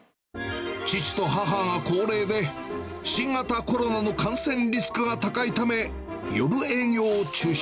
父と母が高齢で、新型コロナの感染リスクが高いため、夜営業を中止。